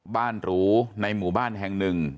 หรูในหมู่บ้านแห่งหนึ่ง